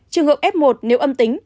trường hợp f một nếu âm tính